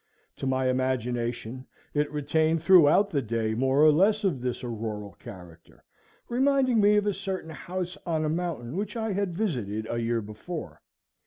To my imagination it retained throughout the day more or less of this auroral character, reminding me of a certain house on a mountain which I had visited the year before.